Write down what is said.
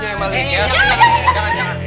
jangan jangan jangan jangan